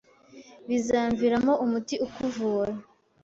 Bizamviramo umuti ukuvura